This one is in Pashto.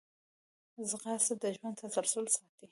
ځغاسته د ژوند تسلسل ساتي